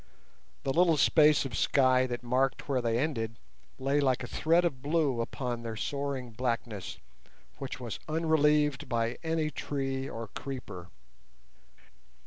The little space of sky that marked where they ended lay like a thread of blue upon their soaring blackness, which was unrelieved by any tree or creeper.